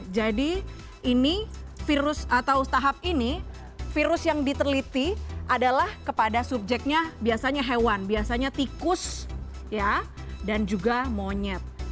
jadi ini virus atau tahap ini virus yang diteliti adalah kepada subjeknya biasanya hewan biasanya tikus ya dan juga monyet